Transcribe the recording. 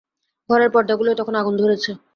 ঘরের পরদাগুলোয় তখন আগুন ধরেছে।